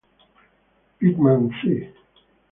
Pitman, Thea.